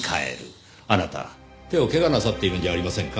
あなた手を怪我なさっているんじゃありませんか？